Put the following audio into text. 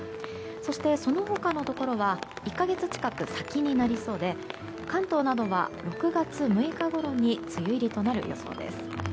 そして、その他のところは１か月近く先になりそうで関東などは６月６日ごろに梅雨入りとなる予想です。